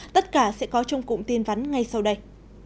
tất cả sẽ có trong cụm tin vắn ngay sau đây